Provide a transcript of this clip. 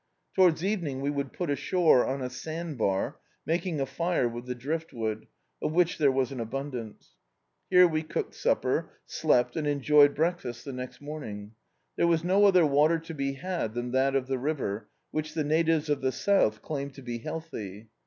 Towards evening we would put ashore on a sand bar, maldng a fire with the driftwood, of which there was an abundance. Here we cooked supper, slept and enjoyed breakfast the next morning. There was no oAer water to be had than that of the river, which the natives of the south claim to be healthy.